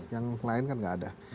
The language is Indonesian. yang lain kan nggak ada